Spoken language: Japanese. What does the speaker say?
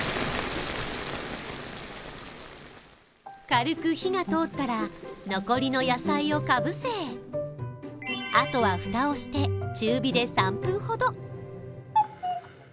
軽く火が通ったら、残りの野菜をかぶせ、あとは蓋をして中火で３分ほど。